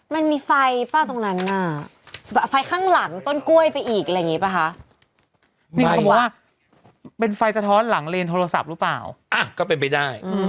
มันมีไฟปะตรงนั้นน่ะ